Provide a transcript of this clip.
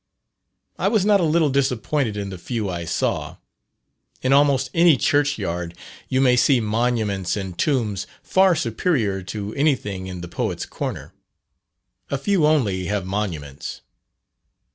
I was not a little disappointed in the few I saw. In almost any church yard you may see monuments and tombs far superior to anything in the Poets' Corner. A few only have monuments.